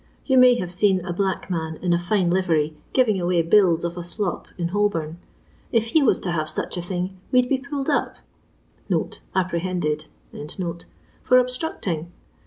Ton may have seen a black nan in a fine livery giving away bills of a slop in Holbom. If we was to have such a thing we 'd be pulled up (apprehended) for obstructing.